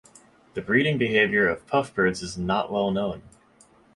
The breeding behaviour of puffbirds is not well known.